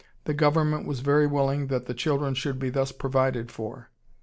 The government was very willing that the children should be thus provided for....